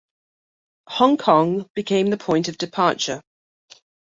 Hong Kong became the point of departure.